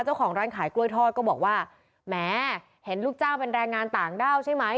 เจ้าของร้านขายกล้วยทอดก็บอกว่าแหมเห็นลูกจ้างเป็นแรงงานต่างด้าวใช่ไหม